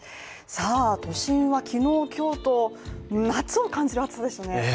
都心は昨日今日と、夏を感じる暑さですね